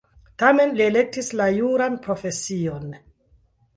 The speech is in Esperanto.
Tamen li elektis la juran profesion.